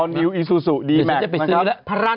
ออนิวอิซูสุดีแม็กนะครับ